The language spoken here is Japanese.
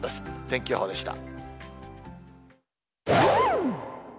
天気予報でした。